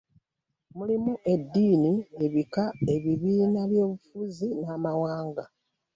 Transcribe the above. Mulimu eddini, ebika, ebibiina by'ebyobufuzi n'amawanga